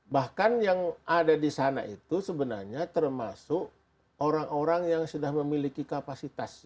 bahkan yang ada di sana itu sebenarnya termasuk orang orang yang sudah memiliki kapasitas